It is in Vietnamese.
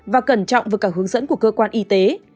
và cẩn trọng với cả hướng dẫn của cơ quan y tế